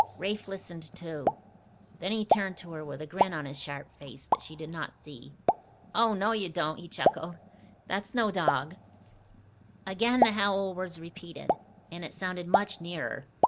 Rafe listened, too. Then he turned to her with a grin on his sharp face that she did not see. "Oh, no, you don't," he chuckled. "That's no dog." Again the howl was repeated, and it sounded much nearer.